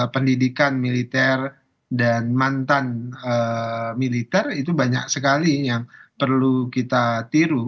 pendidikan militer dan mantan militer itu banyak sekali yang perlu kita tiru